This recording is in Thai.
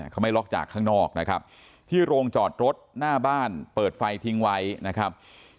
เขาไม่ล็อกจากข้างนอกนะครับที่โรงจอดรถหน้าบ้านเปิดไฟทิ้งไว้นะครับ